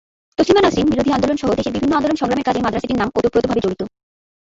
তসলিমা নাসরিন বিরোধী আন্দোলন সহ দেশের বিভিন্ন আন্দোলন-সংগ্রামের সাথে মাদ্রাসাটির নাম ওতপ্রোতভাবে জড়িত।